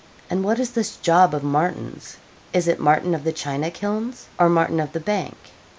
And what is this job of Martin's? Is it Martin of the China Kilns, or Martin of the bank?